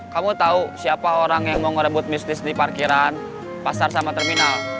kamu tahu siapa orang yang mau ngerebut bisnis di parkiran pasar sama terminal